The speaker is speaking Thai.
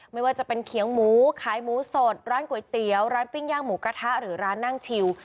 ไม่ว่าจะเป็นเขียงหมูขายหมูสดร้านก๋วยเตี๋ยวร้านปิ้งย่างหมูกระทะหรือร้านนั่งชิว